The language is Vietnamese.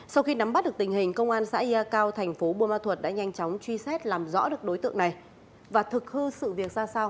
sau khi nắm bắt được tình hình công an xã ya cao thành phố buôn ma thuật đã nhanh chóng truy xét làm rõ được đối tượng này và thực hư sự việc ra sao